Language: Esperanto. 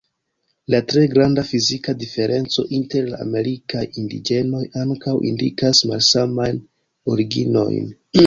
La tre granda fizika diferenco inter la amerikaj indiĝenoj ankaŭ indikas malsamajn originojn.